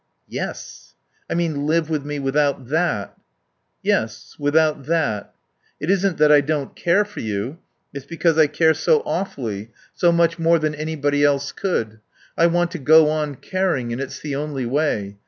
"Yes." "I mean live with me without that." "Yes; without that." "It isn't that I don't care for you. It's because I care so awfully, so much more than anybody else could. I want to go on caring, and it's the only way.